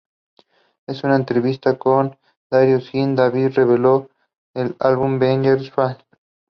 They were then taken to the Caribbean or Spanish America to be sold.